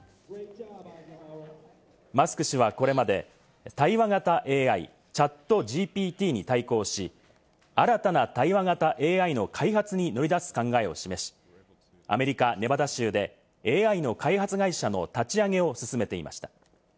マスク氏はこれまで対話型ＡＩ・ＣｈａｔＧＰＴに対抗し、新たな対話型ＡＩの開発に乗り出す考えを示し、アメリカ・ネバタ州でＡＩの開発会社の立ち上げを進めていました。